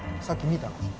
さっき見たら。